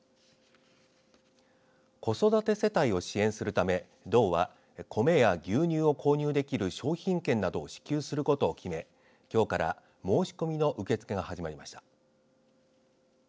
子育て世帯を支援するため道は米や牛乳を購入できる商品券などを支給することを決めきょうから申し込みの受け付けが始まりました。